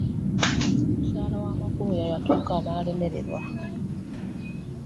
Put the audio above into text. Mukyala wa Makubuya yatuuka n'alemererwa.